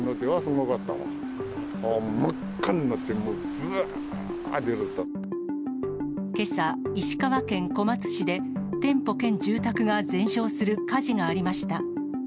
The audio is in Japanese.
真っ赤になって、もう、けさ、石川県小松市で、店舗兼住宅が全焼する火事がありました。